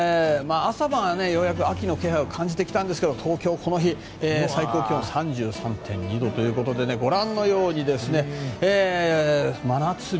朝晩はようやく秋の気配を感じてきたんですけど東京、この日は最高気温３３．２度ということでご覧のように、真夏日。